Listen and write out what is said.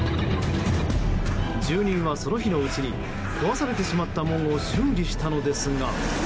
住人は、その日のうちに壊されてしまった門を修理したのですが。